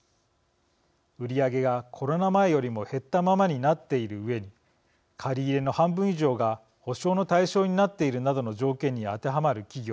売り上げがコロナ前よりも減ったままになっているうえに借り入れの半分以上が保証の対象になっているなどの条件に当てはまる企業